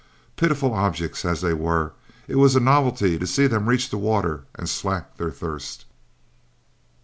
Pitiful objects as they were, it was a novelty to see them reach the water and slack their thirst.